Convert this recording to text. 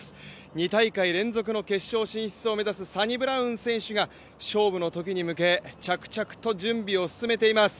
２大会連続の決勝進出を目指すサニブラウン選手が勝利の時に向け着々と準備を進めています。